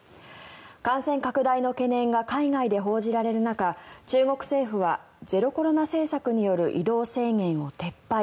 感染拡大の懸念が海外で報じられる中中国政府はゼロコロナ政策による移動制限を撤廃。